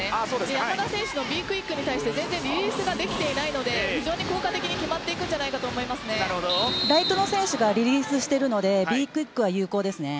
山田選手のＢクイックに対して全然リリースができていないので非常に効果的に決まっていくんじゃないかとライトの選手がリリースしているのでＢクイックは有効ですね。